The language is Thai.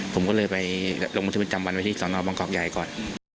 ผมก็เลยไปลงบันทึกจำวันไว้ที่สอนอบังกอกใหญ่ก่อน